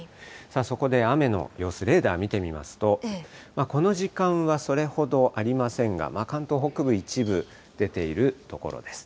そこで雨の様子、レーダー見てみますと、この時間はそれほどありませんが、関東北部、一部出ているところです。